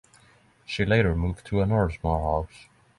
She later moved to another small house.